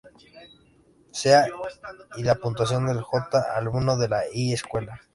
Sea"Y" la puntuación del "j" alumno en la "i" escuela.